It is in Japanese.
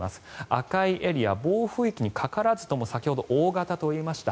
赤いエリア暴風域にかからずとも先ほど大型と言いました。